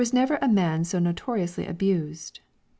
"There never was a man so notoriously abused.